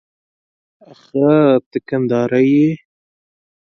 آښه ته کندهاری يې؟